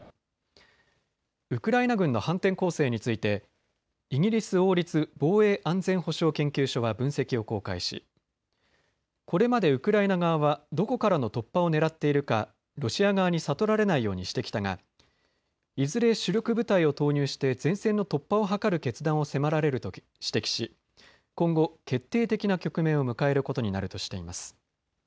ウクライナ軍の反転攻勢についてイギリス王立防衛安全保障研究所は分析を公開しこれまでウクライナ側はどこからの突破をねらっているかロシア側に悟られないようにしてきたがいずれ主力部隊を投入して前線の突破を図る決断を迫られると指摘し今後、決定的な局面を迎えることになるとしています。